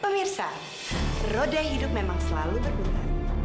pemirsa roda hidup memang selalu berguna